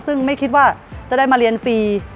ซึ่งไม่คิดว่าจะได้มาเรียนฟรี